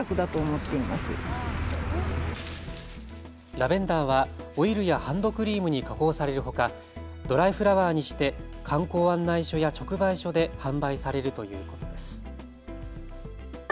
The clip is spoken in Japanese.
ラベンダーはオイルやハンドクリームに加工されるほかドライフラワーにして観光案内所や直売所で販売されるということです。